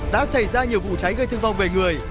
đã xảy ra nhiều vụ cháy gây thương vong về người